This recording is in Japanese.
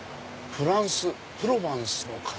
フランス・プロバンスの風」。